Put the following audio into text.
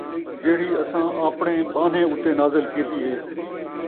جِہڑی اَساں آپݨیں ٻانھے اُتے نازل کِیتی ہے،